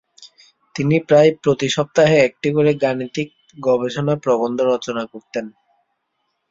তিনি প্রায় প্রতি সপ্তাহে একটি করে গাণিতিক গবেষণা প্রবন্ধ রচনা করতেন।